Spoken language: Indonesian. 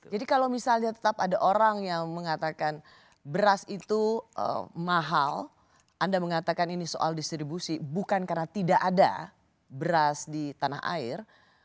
kalau misalnya tetap ada orang yang mengatakan beras itu mahal anda mengatakan ini soal distribusi bukan karena tidak ada beras di tanah air